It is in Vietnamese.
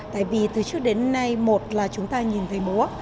tại vì từ trước đến nay một là chúng ta nhìn thấy bố